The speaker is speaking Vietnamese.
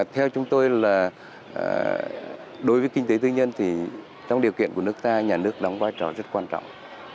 theo chúng tôi là đối với kinh tế tư nhân thì trong điều kiện của nước ta nhà nước đóng vai trò rất quan trọng